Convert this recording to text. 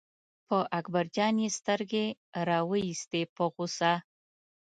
په اکبر جان یې سترګې را وویستې په غوسه.